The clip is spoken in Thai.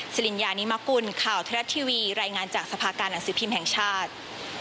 สิริญญานิมกุลข่าวไทยรัฐทีวีรายงานจากสภาการหนังสือพิมพ์แห่งชาติ